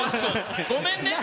ごめんね。